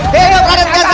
hidup ramu silawati